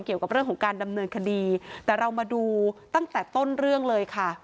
เกี่ยวกับเรื่องของการดำเนินคดีแต่เรามาดูตั้งแต่ต้นเรื่องเลยค่ะ